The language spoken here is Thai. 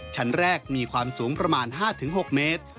ชั้นแรกมีความสูงประมาณ๕๖เมตร